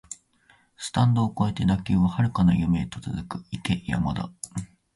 スタンド超えて打球は遥かな夢へと続く、行け山田